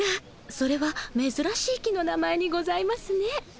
それはめずらしい木の名前にございますね。